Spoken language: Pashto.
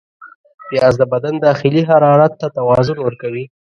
پیاز د بدن داخلي حرارت ته توازن ورکوي